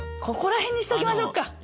ここら辺にしときましょうかね。